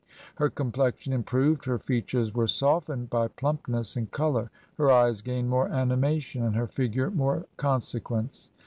... Her complexion improved, her features were softened by plumpness and color, her eyes gained more sinimation, and her figure more consequence.''